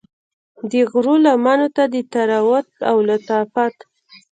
د غرو لمنو ته د طراوت او لطافت